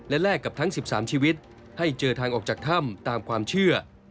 และแลกกับทั้ง๑๓ชีวิตให้เจอทางออกจากถ้ำตามความเชื่อ